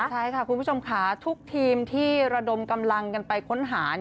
ใช่ค่ะคุณผู้ชมค่ะทุกทีมที่ระดมกำลังกันไปค้นหา